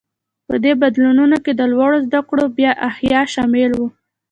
په دې بدلونونو کې د لوړو زده کړو بیا احیا شامل و.